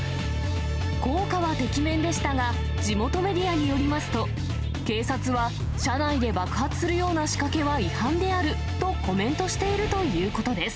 効果はてきめんでしたが、地元メディアによりますと、警察は車内で爆発するような仕掛けは違反であるとコメントしているということです。